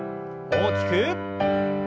大きく。